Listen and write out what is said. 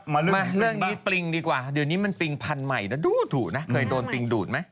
มาเรื่องนี้ปริงดีกว่าเดี๋ยวนี้มันปริงพันธุ์ใหม่นะดูถูกนะเคยโดนปริงดูดไหม